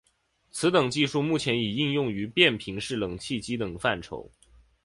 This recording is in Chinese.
此等技术目前已应用于变频式冷气机等范畴。